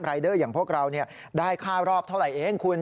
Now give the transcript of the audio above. เดอร์อย่างพวกเราได้ค่ารอบเท่าไหร่เองคุณ